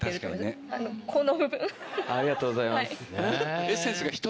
ありがとうございます。